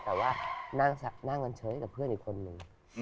แต่ว่านั่งกันเฉยกับเพื่อนอีกคนนึง